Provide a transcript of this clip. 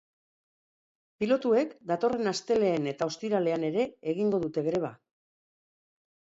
Pilotuek datorren astelehen eta ostiralean ere egingo dute greba.